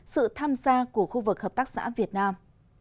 sự tham gia của khu vực hợp tác xã việt nam